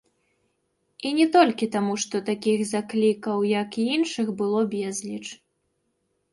І не толькі таму, што такіх заклікаў, як і іншых, было безліч.